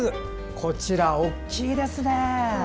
こちら大きいですね。